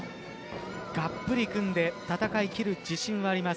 がっぷり組んで戦い切る自信はあります。